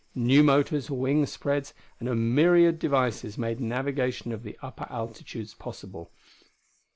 New motors, wing spreads, and a myriad devices made navigation of the upper altitudes possible.